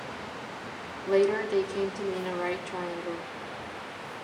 Later, they came to mean a right triangle.